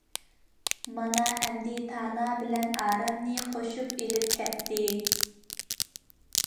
مانا ئەمدى تانا بىلەن ئارامنى قوشۇپ ئېلىپ كەتتى.